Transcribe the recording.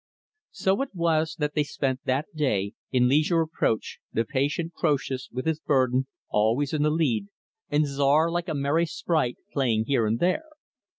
So it was that they spent that day in leisure approach the patient Croesus, with his burden, always in the lead, and Czar, like a merry sprite, playing here and there.